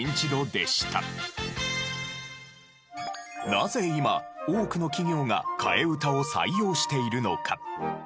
なぜ今多くの企業が替え歌を採用しているのか？